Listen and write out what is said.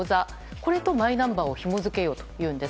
これとマイナンバーをひも付けようというのです。